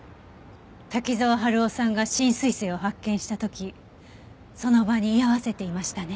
滝沢春夫さんが新彗星を発見した時その場に居合わせていましたね。